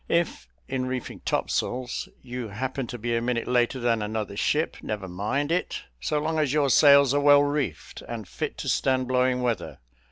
If, in reefing topsails, you happen to be a minute later than another ship, never mind it, so long as your sails are well reefed, and fit to stand blowing weather.